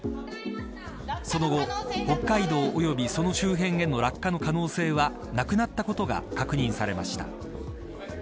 その後、北海道およびその周辺への落下の可能性はなくなったことが確認されました。